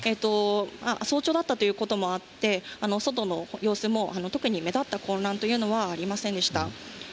早朝だったということもあって、外の様子も特に目立った混乱というのはありませんでした。